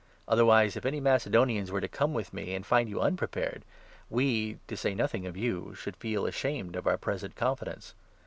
Otherwise, if any Mace 4 donians were to come with me, and find you unprepared, we — to say nothing of you — should feel ashamed of our present confidence.